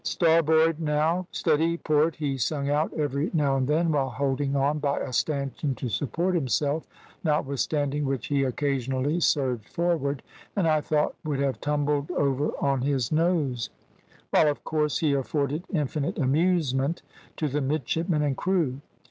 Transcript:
`Starboard now,' `steady,' `port,' he sung out every now and then, while holding on by a stanchion to support himself, notwithstanding which he occasionally surged forward, and I thought would have tumbled over on his nose, while, of course, he afforded infinite amusement to the midshipmen and crew.